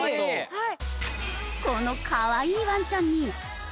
はい。